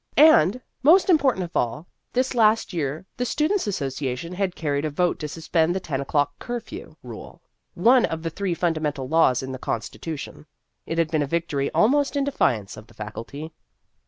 And, most important of all, this last year the Students' Association had carried a vote to suspend the ten o'clock "curfew" rule, one of the three fundamental laws in the constitution. It had been a victory almost in defiance of the Faculty.